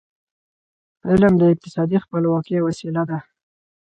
علم د اقتصادي خپلواکی وسیله ده.